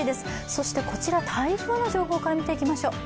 そして台風の情報から見ていきましょう。